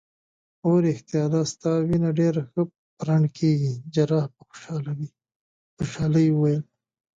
هو ریښتیا دا ستا وینه ډیره ښه پرنډ کیږي. جراح په خوشحالۍ وویل.